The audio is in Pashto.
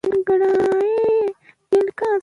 ازادي راډیو د روغتیا د اغیزو په اړه مقالو لیکلي.